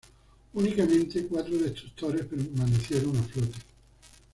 Únicamente cuatro destructores permanecieron a flote.